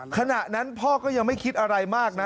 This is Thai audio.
ขณะนั้นพ่อก็ยังไม่คิดอะไรมากนะ